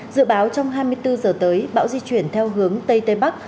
dự báo trong hai mươi bốn giờ tới bão di chuyển theo hướng tây tây bắc